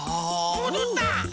もどった！